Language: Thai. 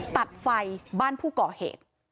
ตัดไฟบ้านผู้ก่อเหตุ